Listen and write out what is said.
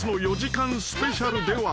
スペシャルでは］